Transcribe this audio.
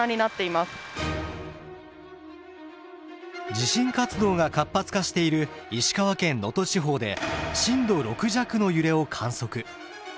地震活動が活発化している石川県能登地方で震度６弱の揺れを観測。